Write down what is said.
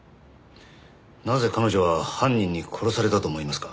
なぜ彼女は犯人に殺されたと思いますか？